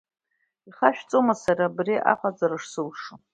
Ихашәҵома Сара абри аҟаҵара шсылшо?